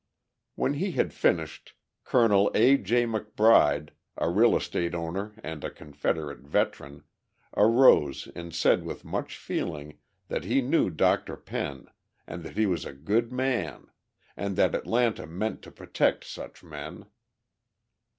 When he had finished, Colonel A. J. McBride, a real estate owner and a Confederate veteran, arose and said with much feeling that he knew Dr. Penn and that he was a good man, and that Atlanta meant to protect such men.